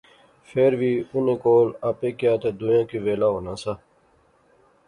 فیر وی انیں کول آپے کیا تہ دویاں کی ویلا ہونا سا